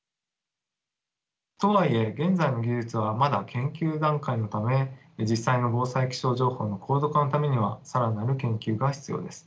とはいえ現在の技術はまだ研究段階のため実際の防災気象情報の高度化のためには更なる研究が必要です。